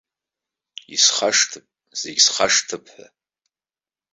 Исхашҭып, зегь схашҭып ҳәа.